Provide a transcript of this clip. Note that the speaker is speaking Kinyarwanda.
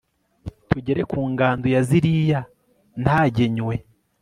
tugere ku ngando ya ziriya ntagenywe